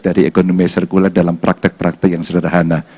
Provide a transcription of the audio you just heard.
dari ekonomi yang serkuler dalam praktek praktek yang sederhana